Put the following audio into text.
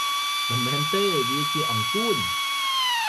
មិនមែនទេ! វាជាអង្កួច។